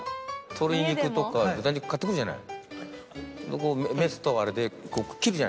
鶏肉とか豚肉買ってくるじゃない。